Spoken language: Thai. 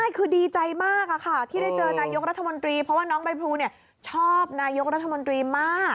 ใช่คือดีใจมากที่ได้เจอนายกรัฐมนตรีเพราะว่าน้องใบพลูชอบนายกรัฐมนตรีมาก